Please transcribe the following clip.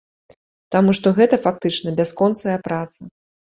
Таму што гэта фактычна бясконцая праца.